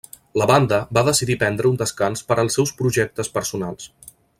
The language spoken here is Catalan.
La banda va decidir prendre un descans per als seus projectes personals.